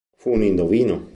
Fu un Indovino.